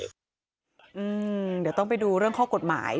เดี๋ยวต้องไปดูเรื่องข้อกฎหมาย